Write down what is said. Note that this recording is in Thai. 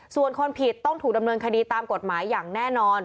ส่วนคนผิดต้องถูกดำเนินคดีตามกฎหมายอย่างแน่นอน